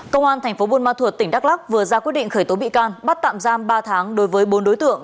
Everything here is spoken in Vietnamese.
công an tp bun ma thuật tỉnh đắk lắc vừa ra quyết định khởi tố bị can bắt tạm giam ba tháng đối với bốn đối tượng